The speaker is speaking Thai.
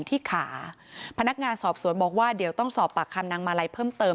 ที่ขาพนักงานสอบสวนบอกว่าเดี๋ยวต้องสอบปากคำนางมาลัยเพิ่มเติม